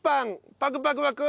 パクパクパク。